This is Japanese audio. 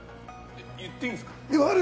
言っていいんですか。